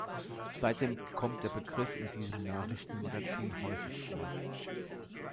Seitdem kommt der Begriff in diesem Nachrichtenmagazin häufig vor.